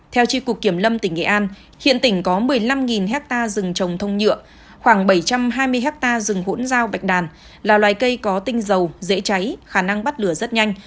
theo tri cục kiểm lâm tỉnh nghệ an hiện tỉnh có một mươi năm hectare rừng trồng thông nhựa khoảng bảy trăm hai mươi hectare rừng hỗn giao bạch đàn là loài cây có tinh dầu dễ cháy khả năng bắt lửa rất nhanh